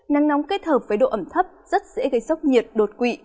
nắng nóng kết hợp với độ ẩm thấp rất dễ gây sốc nhiệt đột quỵ